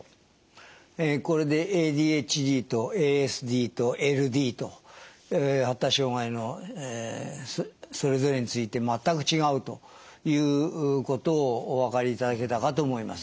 ＡＤＨＤとＡＳＤとＬＤと発達障害のそれぞれについて全く違うということをお分かりいただけたかと思います。